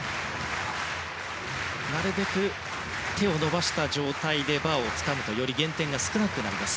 なるべく手を伸ばした状態でバーをつかむとより減点が少なくなります。